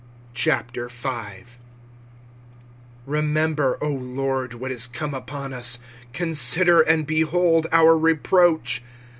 25:005:001 Remember, O LORD, what is come upon us: consider, and behold our reproach.